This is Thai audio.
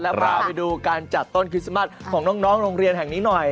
พาไปดูการจัดต้นคริสต์มัสของน้องโรงเรียนแห่งนี้หน่อย